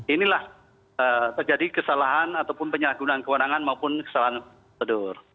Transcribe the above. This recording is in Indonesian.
inilah terjadi kesalahan ataupun penyalahgunaan kewenangan maupun kesalahan prosedur